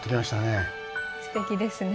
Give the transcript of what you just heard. すてきですね。